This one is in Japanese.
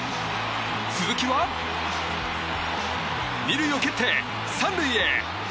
鈴木は２塁を蹴って３塁へ。